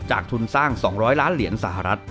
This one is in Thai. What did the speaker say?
ทุนสร้าง๒๐๐ล้านเหรียญสหรัฐ